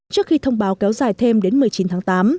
trước khi thông báo kéo dài thêm đến một mươi chín tháng tám